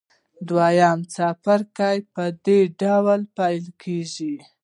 دویم څپرکی په دې ډول پیل کیږي.